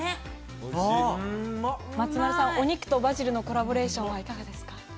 松丸さん、お肉とバジルのコラボレーションいかがですか？